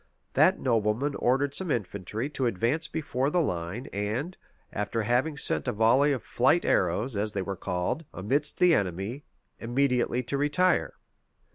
That nobleman ordered some infantry to advance before the line, and, after having sent a volley of flight arrows, as they were called, amidst the enemy, immediately to retire.